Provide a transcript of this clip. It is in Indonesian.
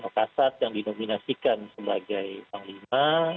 pak kasal yang dinominasikan sebagai panglima